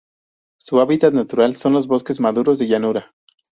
Su hábitat natural son los bosques maduros de llanura.